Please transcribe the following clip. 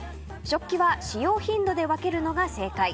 食器は使用頻度で分けるのが正解。